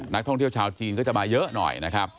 นักท่องเที่ยวชาวจีนก็จะมาเยอะหน่อยนะครับ